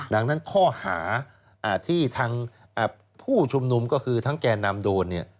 ดังนั้นข้อหาที่ทางผู้ชุมนุมก็คือทั้งแก่นำโดน